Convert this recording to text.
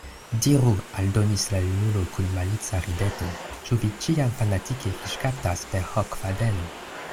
Diru, aldonis la junulo kun malica rideto, ĉu vi ĉiam fanatike fiŝkaptas per hokfadeno?